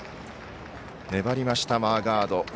粘りました、マーガード。